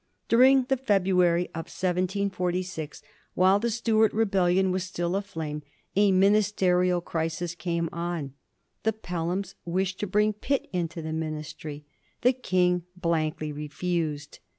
During the February of 1746, while the Stuart rebellion was still aflame, a ministerial crisis came on. The Pel hams wished to bring Pitt into the Ministry ; the King blankly refused.